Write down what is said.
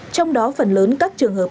trong đó phần lớn các trường hợp